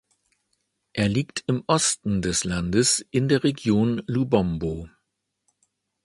Er liegt im Osten des Landes in der Region Lubombo.